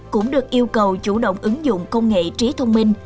cũng được yêu cầu chủ động ứng dụng công nghệ trí thông minh